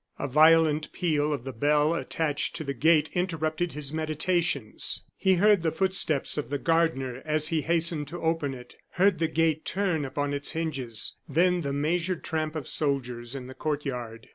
A violent peal of the bell attached to the gate interrupted his meditations. He heard the footsteps of the gardener as he hastened to open it, heard the gate turn upon its hinges, then the measured tramp of soldiers in the court yard.